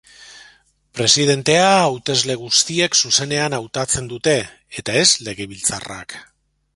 Presidentea hautesle guztiek zuzenean hautatzen dute, eta ez legebiltzarrak.